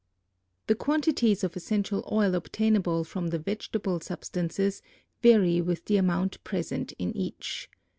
The quantities of essential oil obtainable from the vegetable substances vary with the amount present in each.